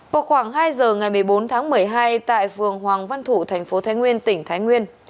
vào khoảng hai giờ ngày một mươi bốn tháng một mươi hai tại phường hoàng văn thủ tp thái nguyên tỉnh thái nguyên